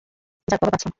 যাক বাবা বাঁচলাম।